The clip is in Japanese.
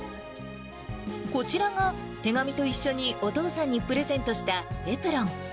こちらが、手紙と一緒にお父さんにプレゼントしたエプロン。